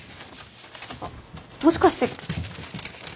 あっもしかして。